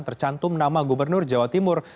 tercantum nama gubernur jawa timur